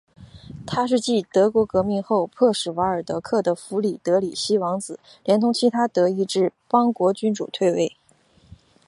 它是继德国革命后迫使瓦尔德克的弗里德里希王子连同其他德意志邦国君主退位。